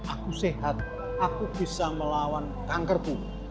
aku sehat aku bisa melawan kanker tubuh